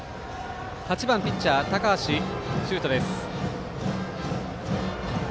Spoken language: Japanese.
８番ピッチャー、高橋秀斗。